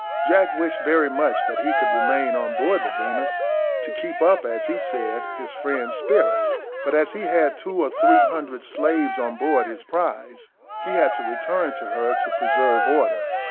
Jack wished very much that he could remain on board the Venus, to keep up, as he said, his friends' spirits, but as he had two or three hundred slaves on board his prize, he had to return to her to preserve order.